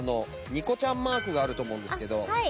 にこちゃんマークがあると思うんですけど